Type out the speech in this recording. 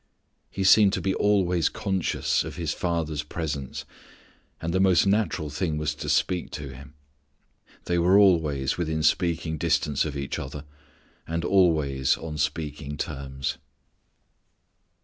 He seemed to be always conscious of His Father's presence, and the most natural thing was to speak to Him. They were always within speaking distance of each other, and always on speaking terms.